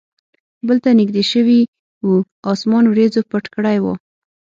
پل ته نږدې شوي و، اسمان وریځو پټ کړی و.